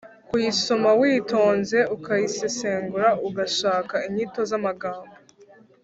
Kuyisoma witonze, ukayisesengura, ushaka inyito z’amagambo